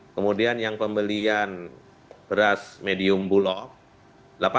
kemudian yang pembelian beras medium bulok rp delapan tiga ratus